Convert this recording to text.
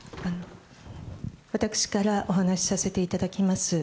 私からお話させていただきます。